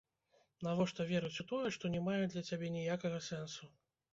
Навошта верыць у тое, што не мае для цябе ніякага сэнсу?